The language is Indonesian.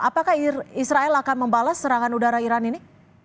apakah israel akan membalas serangan udara iran ini